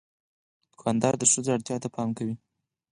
دوکاندار د ښځو اړتیا ته پام کوي.